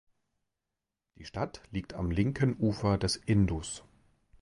Die Stadt liegt am linken Ufer des Indus.